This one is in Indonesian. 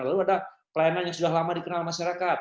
lalu ada pelayanan yang sudah lama dikenal masyarakat